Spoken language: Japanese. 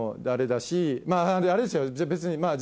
あれですよ別に。